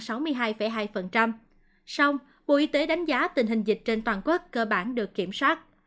song bộ y tế đánh giá tình hình dịch trên toàn quốc cơ bản được kiểm soát